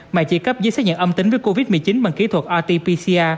mà chỉ cấp giấy xác nhận âm tính với covid một mươi chín bằng kỹ thuật rt pcr